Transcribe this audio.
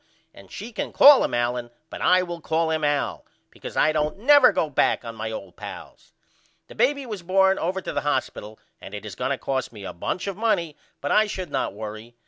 And she can call him Allen but I will call him Al because I don't never go back on my old pals. The baby was born over to the hospital and it is going to cost me a bunch of money but I should not worry.